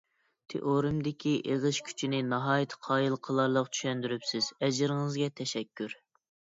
تېئورېمىدىكى ئېغىش كۈچىنى ناھايىتى قايىل قىلارلىق چۈشەندۈرۈپسىز، ئەجرىڭىزگە تەشەككۈر.